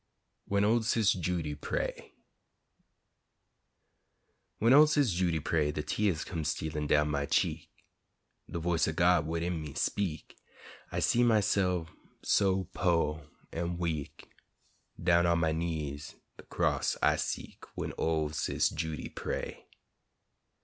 WHEN OL' SIS' JUDY PRAY When ol' Sis' Judy pray, De teahs come stealin' down my cheek, De voice ur God widin me speak'; I see myse'f so po' an' weak, Down on my knees de cross I seek, When ol' Sis' Judy pray.